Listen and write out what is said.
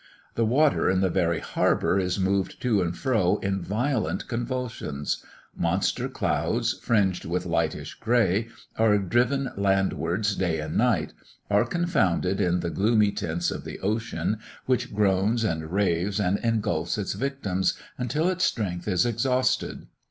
The water in the very harbour is moved to and fro in violent convulsions; monster clouds, fringed with lightish gray, are driven landwards day and night; are confounded in the gloomy tints of the ocean, which groans and raves, and engulphs its victims, until its strength is exhausted.